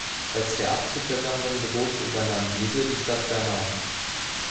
Als der Abzug der Sammlung drohte übernahm diese die Stadt Bärnau.